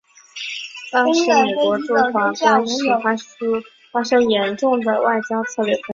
与当时美国驻华公使芮恩施发生严重的外交策略分歧。